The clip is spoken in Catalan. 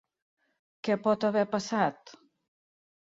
Què pot haver passat?